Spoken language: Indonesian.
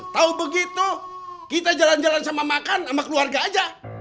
tau begitu kita jalan jalan sama makan sama keluarga aja